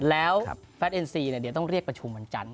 แล้วแฟนเบียนนี่เดี๋ยวต้องเรียกประชุมเหมือนจันทร์